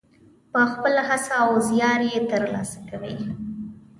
په خپله هڅه او زیار یې ترلاسه کوي.